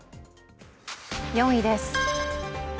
４位です。